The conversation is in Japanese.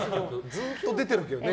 ずっと出てるけどね